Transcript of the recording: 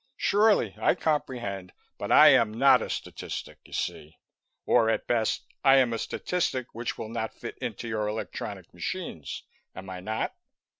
"Surely. I comprehend. But I am not a statistic, you see. Or, at best, I am a statistic which will not fit into your electronic machines, am I not?"